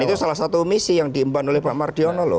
itu salah satu misi yang diemban oleh pak mardiono loh